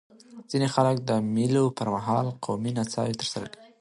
ځيني خلک د مېلو پر مهال قومي نڅاوي ترسره کوي.